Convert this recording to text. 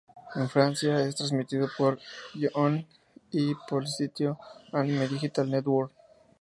En Francia, es transmitido por J-One y por el sitio Anime Digital Network.